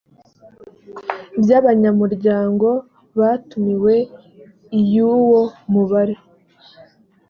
bya abanyamuryango batumiwe iyo uwo mubare